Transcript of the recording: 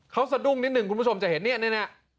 เขาสะดุ้งนิดนึงคุณผู้ชมจะเห็นเนี่ยเนี่ยเนี่ย